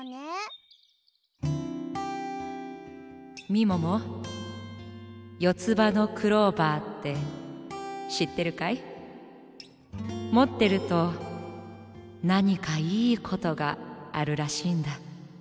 みももよつばのクローバーってしってるかい？もってるとなにかいいことがあるらしいんだ。